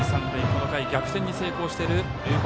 この回、逆転に成功している龍谷